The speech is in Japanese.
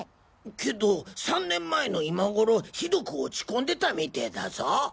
けど３年前の今頃ひどく落ち込んでたみてえだぞ。